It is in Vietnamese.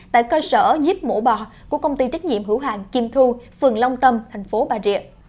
tại cơ sở giết mổ bò của công ty trách nhiệm hữu hàng kim thu phường long tâm thành phố bà rịa